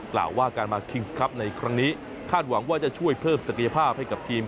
กล่าวว่าการมาคิงส์ครับในครั้งนี้คาดหวังว่าจะช่วยเพิ่มศักยภาพให้กับทีม